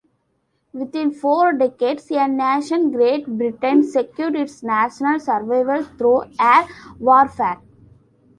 Within four decades, a nation-Great Britain-secured its national survival through air warfare.